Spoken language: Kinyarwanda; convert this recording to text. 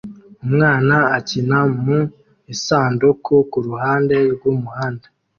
Umwana akina mu isanduku kuruhande rwumuhanda